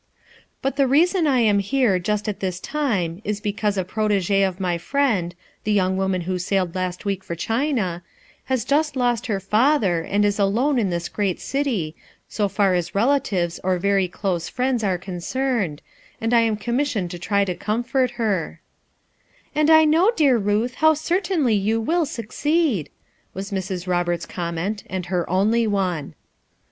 "But the reason I am here just at this time is because a prot£g6 of my friend — the young woman who sailed last week for China — has just lost her father and is alone in this great city, so far as relatives or very close friends are concerned, and I am commissioned to try to comfort her," "And I know, dear Ruth, how certainly you will succeed," was Mrs. Roberts's comment and her only one.